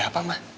ada apa ma